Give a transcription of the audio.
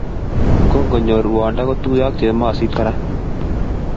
Kongonyor ruondo kotuiyo ak chemosit kora